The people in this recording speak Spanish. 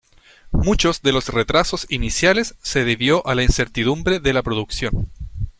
Muchos de los retrasos iniciales se debió a la incertidumbre de la producción.